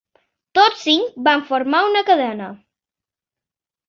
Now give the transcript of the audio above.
Tots cinc van formar una cadena.